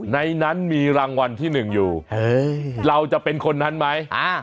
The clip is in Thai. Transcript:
ในนั้นมีรางวัลที่๑อยู่เราจะเป็นคนนั้นไหม